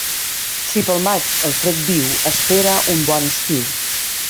Si pel maig el fred viu, espera un bon estiu.